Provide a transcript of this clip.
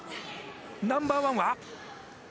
ナンバーワンは？